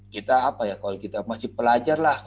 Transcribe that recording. kita apa ya kalau kita masih pelajar lah